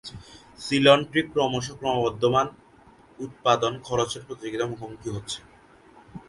Ceylon tea ক্রমশ ক্রমবর্ধমান উৎপাদন খরচের প্রতিযোগিতার মুখোমুখি হচ্ছে।